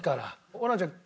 ホランちゃん